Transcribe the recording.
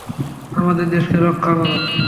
আমাদের দেশকে রক্ষা করো!